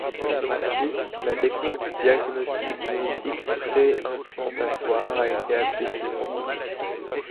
Ensuite, la technique du diagnostic génétique préimplantatoire a été appliquée.